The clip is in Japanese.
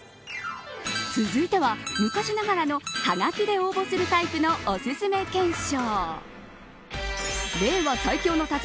続いては昔ながらのはがきで応募するタイプのおすすめ懸賞。